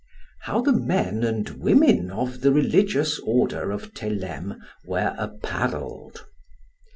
How the men and women of the religious order of Theleme were apparelled.